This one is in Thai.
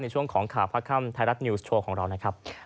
ช่วงของข่าวพระค่ำไทยรัฐนิวส์โชว์ของเรานะครับ